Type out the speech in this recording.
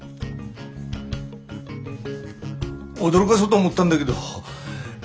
驚がそうと思ったんだげど。